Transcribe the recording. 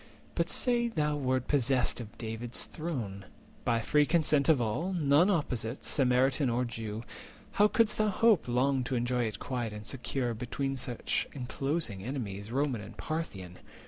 But say thou wert possessed of David's throne By free consent of all, none opposite, Samaritan or Jew; how couldst thou hope Long to enjoy it quiet and secure 360 Between two such enclosing enemies, Roman and Parthian?